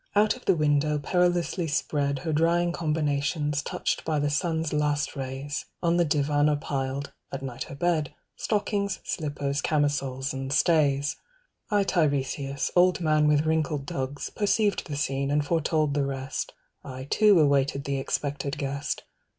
Out of the window perilously spread Her drying combinations touched by the sun's last rays, On the divan are piled (at night her bed) Stockings, slippers, camisoles, and stays. I Tiresias, old man with wrinkled dugs Perceived the scene, and foretold the rest— I too awaited the expected guest.